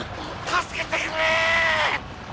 助けてくれ！